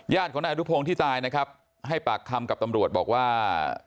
ของนายอนุพงศ์ที่ตายนะครับให้ปากคำกับตำรวจบอกว่า